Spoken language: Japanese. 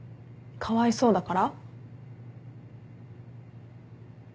かわいそうだから？